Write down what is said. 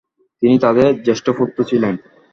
তিনি তাঁদের জ্যেষ্ঠ পুত্র ছিলেন।